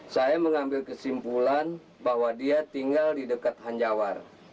saya mengambil kesimpulan bahwa dia tinggal di dekat hanjawar